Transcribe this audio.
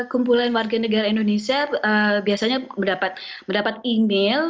kumpulan warga negara indonesia biasanya mendapat email